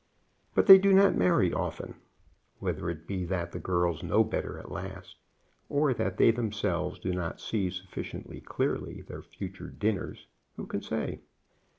But they do not marry often. Whether it be that the girls know better at last, or that they themselves do not see sufficiently clearly their future dinners, who can say?